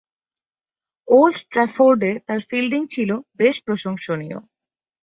Old ট্রাফোর্ডে তার fielding ছিল বেশ প্রশংসনীয়।